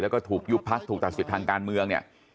แล้วก็ถูกยุบพักถูกตัดสิทธิ์ทางการเมืองเนี่ย